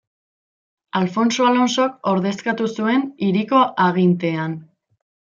Alfonso Alonsok ordezkatu zuen hiriko agintean.